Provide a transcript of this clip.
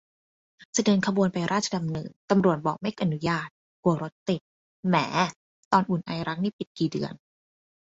จะเดินขบวนไปราชดำเนิน ตำรวจบอกไม่อนุญาต กลัวรถติด แหม่ ตอน อุ่นไอรัก นี่ปิดกี่เดือน